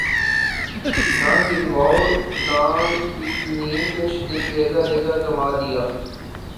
نہ گنواؤ ناوک نیم کش دل ریزہ ریزہ گنوا دیا